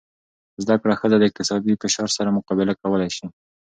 زده کړه ښځه د اقتصادي فشار سره مقابله کولی شي.